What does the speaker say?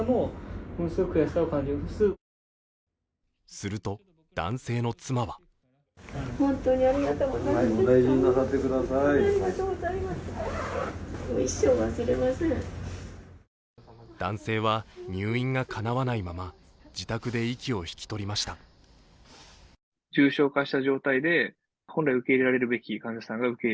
すると男性の妻は男性は入院がかなわないまま自宅で息を引き取りました。